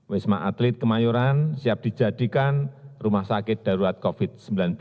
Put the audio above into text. wisma atlet kemayoran siap dijadikan rumah sakit darurat covid sembilan belas